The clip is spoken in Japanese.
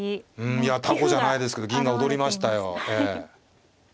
いやたこじゃないですけど銀が踊りましたよ。